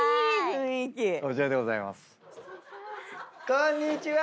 こんにちは。